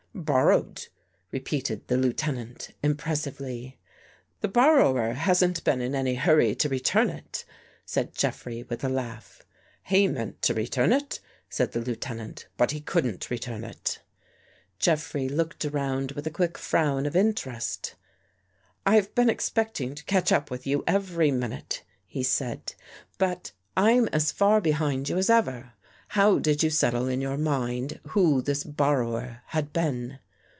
" Borrowed," repeated the Lieutenant, impres sively. " The borrower hasn't been in any hurry to return it," said Jeffrey with a laugh. " He meant to return it," said the Lieutenant, " but he couldn't return it." Jeffrey looked around with a quick frown of in terest. " I've been expecting to catch up with you every minute," he said, " but I'm as far behind you as 8o THE FACE UNDER THE PAINT ever. How did you settle in your mind who this borrower had been?